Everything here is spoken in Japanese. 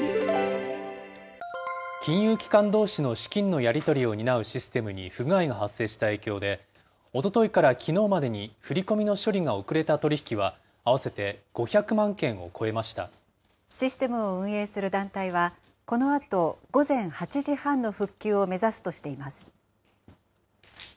金融機関どうしの資金のやり取りを担うシステムに不具合が発生した影響で、おとといからきのうまでに振り込みの処理が遅れた取り引きは、合システムを運営する団体は、このあと午前８時半の復旧を目指すとしています。